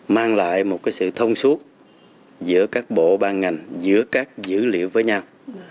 mang lại một sự thông suốt giữa các bộ ban ngành giữa các dữ liệu với nhau